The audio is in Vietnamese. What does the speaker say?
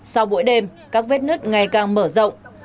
sau buổi đêm các vết nước ngày càng mở rộng